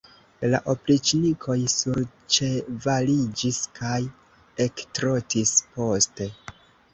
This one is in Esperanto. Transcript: La opriĉnikoj surĉevaliĝis kaj ektrotis poste.